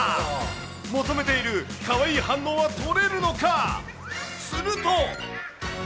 求めているかわいい反応は撮れるのか。